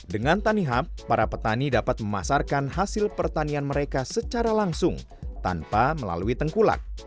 dengan tanihub para petani dapat memasarkan hasil pertanian mereka secara langsung tanpa melalui tengkulak